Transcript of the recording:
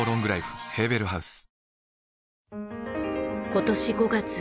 今年５月。